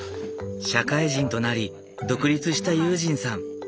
社会人となり独立した悠仁さん。